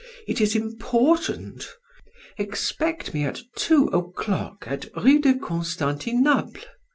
It is important. Expect me at two o'clock at Rue de Constantinople.